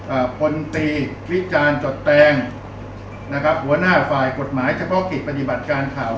พลตีวิจารณ์จดแตงนะครับหัวหน้าฝ่ายกฎหมายเฉพาะกิจปฏิบัติการข่าว